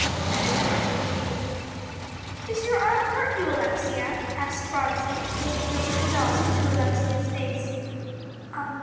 at a twinge of pain. "Does your arm hurt you, Alexia?" asked Phronsie, looking over her dolls up to Alexia's face.